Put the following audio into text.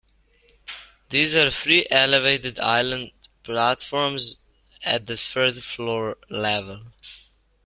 These are three elevated island platforms at the third-floor level.